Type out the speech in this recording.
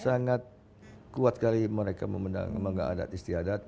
sangat kuat kali mereka memegang adat istiadatnya